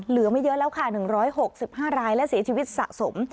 เหลือไม่เยอะแล้วค่ะหนึ่งร้อยหกสิบห้ารายและสีชีวิตสะสม